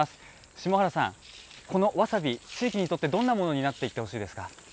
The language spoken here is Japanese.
下原さん、このわさび、地域にとってどんなものになっていってほしいですか？